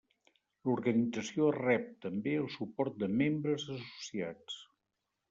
L'organització rep també el suport de membres associats.